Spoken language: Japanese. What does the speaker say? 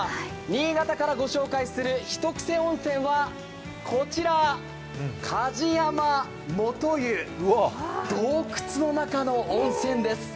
新潟からご紹介するひとクセ温泉はこちら、梶山元湯、洞窟の中の温泉です。